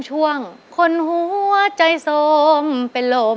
คนหัวใจสมเป็นลม